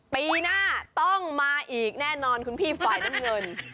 ปีหน้าต้องมาอีกแน่นอนคุณพี่ฝ่ายน้ำเงิน